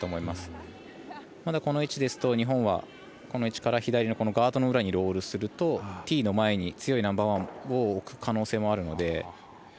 まだこの位置ですと日本はこの位置から左のガードの裏にロールするとティーの上にナンバーワンを置く可能性もあるので。